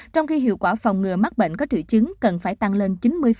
trong khi hiệu quả phòng ngừa mắc bệnh có triệu chứng cần phải tăng lên chín mươi